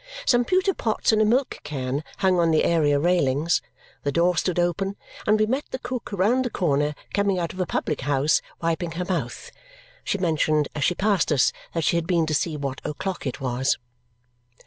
Some pewter pots and a milk can hung on the area railings; the door stood open; and we met the cook round the corner coming out of a public house, wiping her mouth. She mentioned, as she passed us, that she had been to see what o'clock it was.